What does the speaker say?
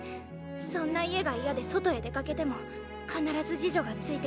そんな家が嫌で外へ出かけても必ず侍女が付いてきた。